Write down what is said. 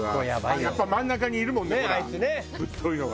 やっぱ真ん中にいるもんねほらぶっといのが。